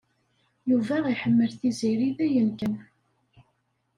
Yuba iḥemmel Tiziri dayen kan.